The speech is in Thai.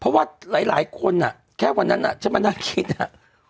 เพราะว่าหลายคนอ่ะแค่วันนั้นฉันมานั่งคิดอ่ะ